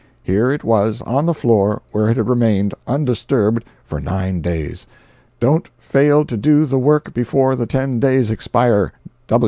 Here it was, on the floor, where it had remained undisturbed for nine days: "Don't fail to do the work before the ten days expire.